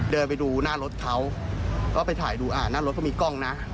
เดินไปดูหน้ารถเขาก็ไปถ่ายดูอ่าหน้ารถก็มีกล้องนะ